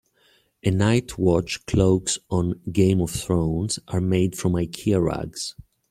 The night watch cloaks on Game of Thrones are made from Ikea rugs.